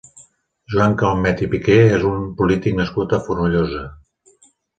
Joan Calmet i Piqué és un polític nascut a Fonollosa.